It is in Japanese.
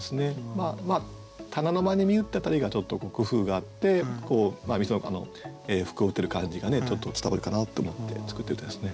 まあ「棚の間に見ゆ」って辺りがちょっと工夫があって店の服を売ってる感じがねちょっと伝わるかなと思って作った歌ですね。